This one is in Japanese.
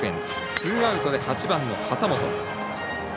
ツーアウトで８番、畑本。